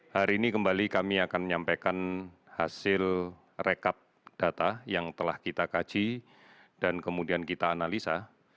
hari ini kembali kami akan menyampaikan hasil rekap data yang telah kita kaji dan kemudian kita analisa